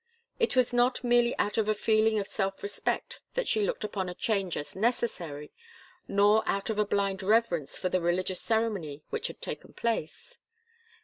It was not merely out of a feeling of self respect that she looked upon a change as necessary, nor out of a blind reverence for the religious ceremony which had taken place.